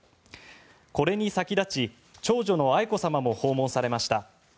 これに先立ち、長女の愛子さまも訪問されました。